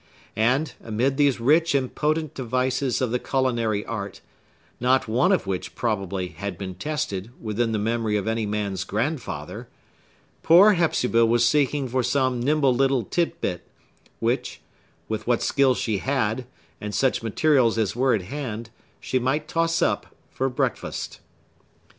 And, amid these rich and potent devices of the culinary art (not one of which, probably, had been tested, within the memory of any man's grandfather), poor Hepzibah was seeking for some nimble little titbit, which, with what skill she had, and such materials as were at hand, she might toss up for breakfast.